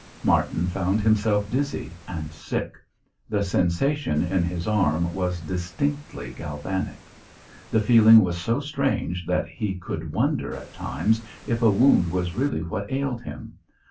Martin found himself dizzy and sick. The sensation in his arm was distinctly galvanic. The feeling was so strange that he could wonder at times if a wound was really what ailed him.